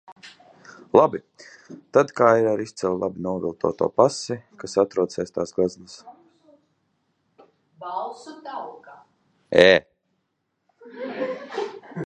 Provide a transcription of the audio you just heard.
Labi, tad kā ir ar izcili labi noviltoto pasi, kas atrodas aiz tās gleznas?